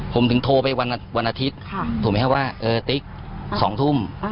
ผมถึงโทรไปวันอาทิตย์สองทุ่ม